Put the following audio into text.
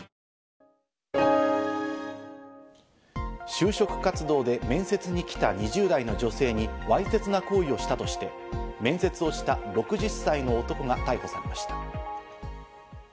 就職活動で面接に来た２０代の女性にわいせつな行為をしたとして、面接をした６０歳の男が逮捕されました。